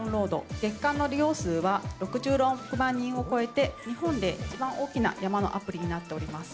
月間の利用数は６６万人を超えて、日本で一番大きな山のアプリになっております。